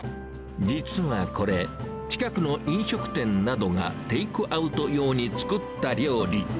実はこれ、近くの飲食店などがテイクアウト用に作った料理。